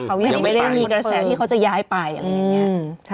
เขายังไม่ได้มีกระแสที่เขาจะย้ายไปอะไรอย่างนี้